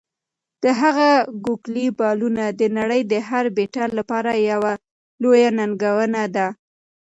د هغه "ګوګلي" بالونه د نړۍ د هر بیټر لپاره یوه لویه ننګونه ده.